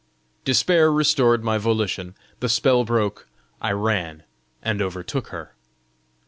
Despair restored my volition; the spell broke; I ran, and overtook her.